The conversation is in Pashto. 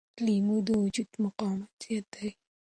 لیمو د وجود مقاومت زیاتوي.